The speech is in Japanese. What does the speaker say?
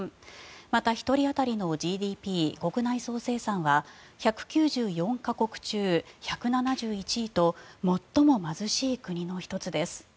また、１人当たりのＧＤＰ・国内総生産は１９４か国中１７１位と最も貧しい国の１つです。